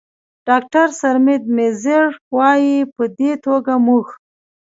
ډاکتر سرمید میزیر، وايي: "په دې توګه موږ